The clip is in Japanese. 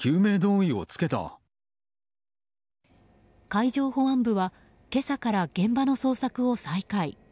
海上保安部は今朝から現場の捜索を再開。